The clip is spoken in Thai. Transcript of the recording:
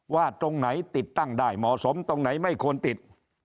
ตรงไหนติดตั้งได้เหมาะสมตรงไหนไม่ควรติด